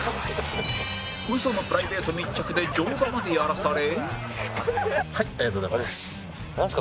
ウソのプライベート密着で乗馬までやらされ